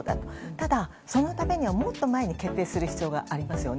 ただ、そのためにはもっと前に決定する必要がありますよね。